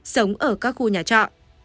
sống ở các khu nhà trọ